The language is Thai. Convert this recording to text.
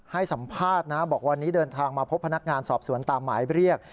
ให้สัมภาษณ์นะบอกวันนี้เดินทางมาพบพนักงานสอบสวนตามหมายเรียก